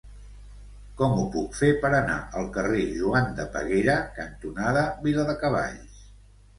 Com ho puc fer per anar al carrer Joan de Peguera cantonada Viladecavalls?